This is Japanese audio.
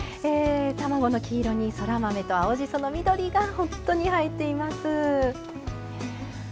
卵の黄色にそら豆と青じその緑が本当に映えています。